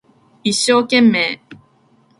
一生懸命